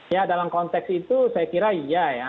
ya dalam konteks itu saya kira iya ya